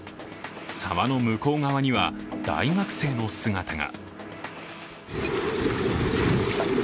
沢の向こう側には大学生の姿が。